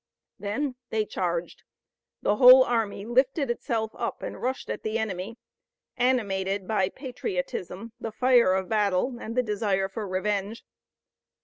Then they charged. The whole army lifted itself up and rushed at the enemy, animated by patriotism, the fire of battle and the desire for revenge.